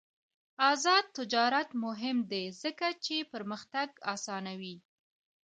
آزاد تجارت مهم دی ځکه چې پرمختګ اسانوي.